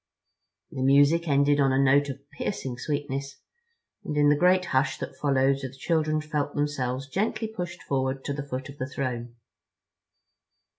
The music ended on a note of piercing sweetness and in the great hush that followed the children felt themselves gently pushed forward to the foot of the throne.